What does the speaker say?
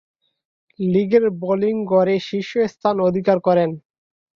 লীগের বোলিং গড়ে শীর্ষ স্থান অধিকার করেন।